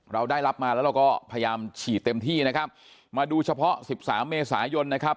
เราได้รับมาแล้วเราก็พยายามฉีดเต็มที่นะครับมาดูเฉพาะสิบสามเมษายนนะครับ